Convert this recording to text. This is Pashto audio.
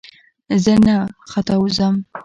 زه نه ختاوزم !